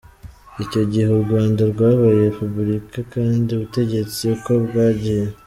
icyo gihe Urwanda rwabaye Repubulika kandi ubutegetsi uko bwagiye